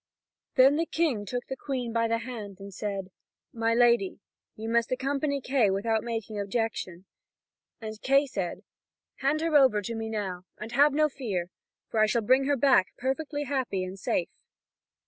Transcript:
Then the King took the Queen by the hand, and said: "My lady, you must accompany Kay without making objection." And Kay said: "Hand her over to me now, and have no fear, for I shall bring her back perfectly happy and safe."